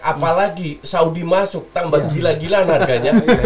apalagi saudi masuk tambah gila gilaan harganya